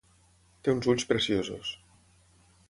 Té uns ulls preciosos.